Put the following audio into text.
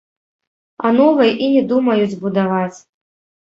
А новай і не думаюць будаваць.